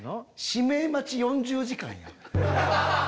指名待ち４０時間や。